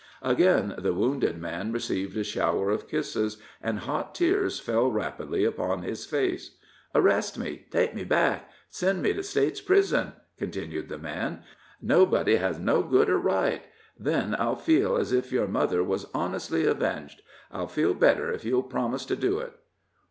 Again the wounded man received a shower of kisses, and hot tears fell rapidly upon his face. "Arrest me take me back send me to State's prison," continued the man; "nobody has so good a right. Then I'll feel as if your mother was honestly avenged. I'll feel better if you'll promise to do it."